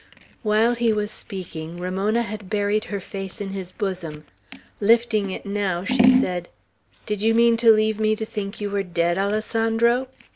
While he was speaking, Ramona had buried her face in his bosom. Lifting it now, she said, "Did you mean to leave me to think you were dead, Alessandro?"